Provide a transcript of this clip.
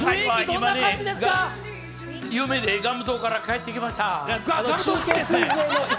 今、夢でグアム島から帰ってきました。